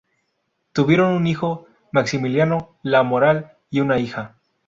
Tuvieron un hijo, Maximiliano-Lamoral, y una hija.